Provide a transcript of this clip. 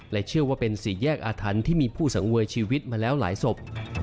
เชื่อว่าเป็นสี่แยกอาถรรพ์ที่มีผู้สังเวยชีวิตมาแล้วหลายศพ